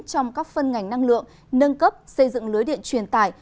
trong các phân ngành năng lượng nâng cấp xây dựng lưới điện truyền tải